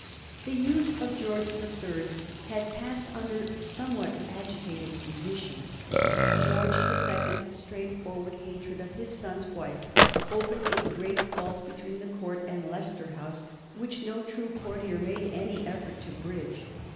The youth of George the Third had passed under somewhat agitated conditions. George the Second's straight forward hatred for his son's wife opened a great gulf between the Court and Leicester House, which no true courtier made any effort to bridge.